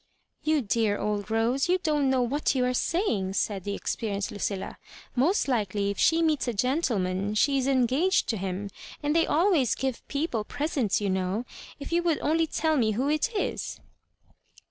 '^You dear old Rose, you don't know what you are saying," said the experienced Lucilla; " most likely, if she meets a gentleman, she is engaged to him ; and They always give people presents, you know. If you would only tell me who it is."